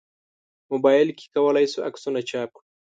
موبایل کې کولای شو عکسونه چاپ کړو.